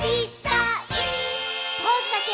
「ポーズだけ！」